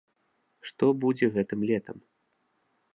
Што будзе гэтым летам?